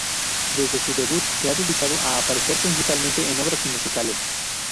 Desde su debut, se ha dedicado a aparecer principalmente en obras y musicales.